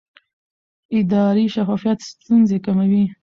اداري شفافیت ستونزې کموي